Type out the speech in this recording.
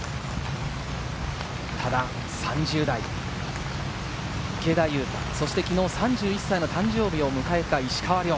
ただ３０代、池田勇太、そして昨日３１歳の誕生日を迎えた石川遼。